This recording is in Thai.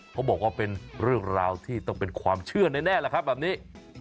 เขาบอกว่าเป็นเรื่องราวที่ต้องเป็นความเชื่อแน่ล่ะครับแบบนี้